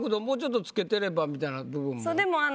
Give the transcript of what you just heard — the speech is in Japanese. もうちょっとつけてればみたいな部分も。